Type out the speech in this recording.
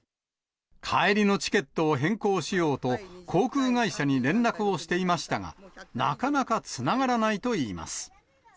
帰りのチケットを変更しようと、航空会社に連絡をしていましたが、なかなかつながらないといいます。